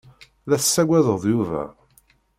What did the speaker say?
La tessaggaded Yuba.